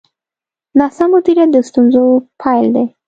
ناسم مدیریت د ستونزو پیل دی.